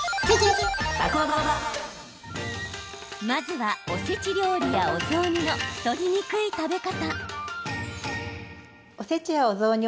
まずは、おせち料理やお雑煮の太りにくい食べ方。